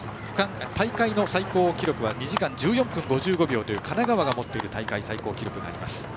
大会の最高記録は２時間１４分５５秒という神奈川が持っている大会最高記録があります。